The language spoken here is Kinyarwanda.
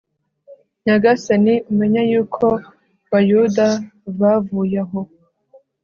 Nyagasani umenye yuko ba Bayuda bavuye aho